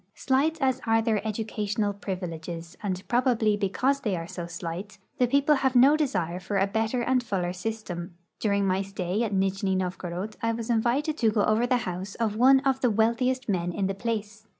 Slight as are their educational privileges, and probably liecause they are so slight, the ])eople have no desire for a better and fuller system. Daring my stay at Nijni Novgorod I was invited to go over the house of one of the wealthiest men in the ])lace.